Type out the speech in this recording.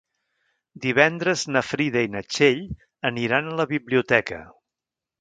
Divendres na Frida i na Txell aniran a la biblioteca.